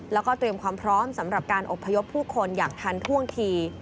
แล้วก็เตรียมความพร้อมสำหรับการอบพยพผู้คนอย่างทันท่วงที